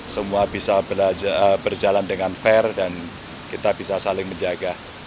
semua bisa berjalan dengan fair dan kita bisa saling menjaga